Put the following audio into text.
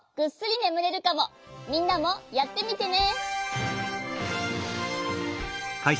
みんなもやってみてね。